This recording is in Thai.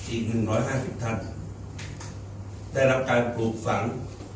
อีก๑๕๐ท่านได้รับการปลูกฝัง